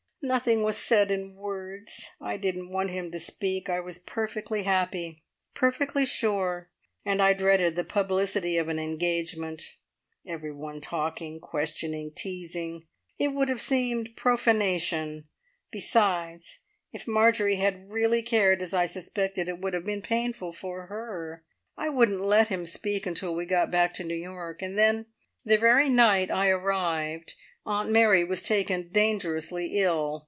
"Nothing was said in words. I didn't want him to speak. I was perfectly happy, perfectly sure, and I dreaded the publicity of an engagement. Every one talking, questioning, teasing. It would have seemed profanation. Besides if Marjorie had really cared as I suspected, it would have been painful for her. I wouldn't let him speak until we got back to New York, and then, the very night I arrived, Aunt Mary was taken dangerously ill.